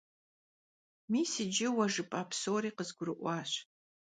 Mis yicı vue jjıp'a psori khızgurı'uaş.